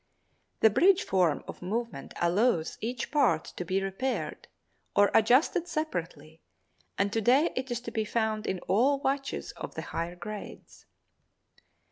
The bridge form of movement allows each part to be repaired or adjusted separately and to day it is to be found in all watches of the higher grades.